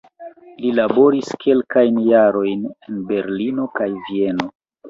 Li laboris kelkajn jarojn en Berlino kaj Vieno.